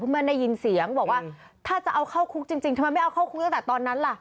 แม่ได้ยินเสียงบอกว่าถ้าจะเอาเข้าคุกจริงทำไมไม่เอาเข้าคุกตั้งแต่ตอนนั้นล่ะ